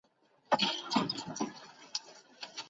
担任大兴安岭地区人大工委主任。